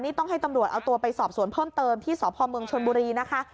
นี่ต้องให้ตำรวจเอาตัวไปสอบสวนเพิ่มเติมที่สพเมืองชนบุรีนะคะ